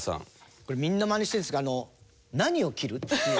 これみんなマネしてるんですけどあの「何を切る？」っていう。